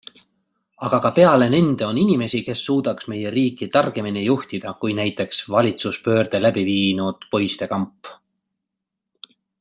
Aga ka peale nende on inimesi, kes suudaks meie riiki targemini juhtida kui näiteks valitsuspöörde läbi viinud poistekamp.